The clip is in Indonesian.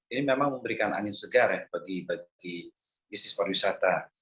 ini memang memberikan angin segar ya bagi bisnis pariwisata